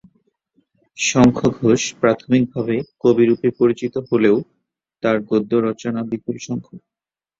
শঙ্খ ঘোষ প্রাথমিক ভাবে ‘কবি’ রূপে পরিচিত হলেও তার গদ্য রচনা বিপুলসংখ্যক।